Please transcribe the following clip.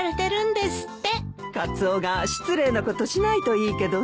カツオが失礼なことしないといいけどね。